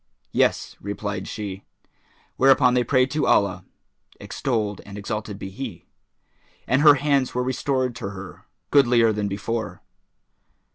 "Yes," replied she: whereupon they prayed to Allah (extolled and exalted be He!) and her hands were restored to her, goodlier than before.